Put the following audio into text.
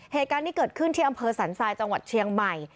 เหตุการณ์นี้เกิดขึ้นที่อำเภอสันทรายจังหวัดเชียงใหม่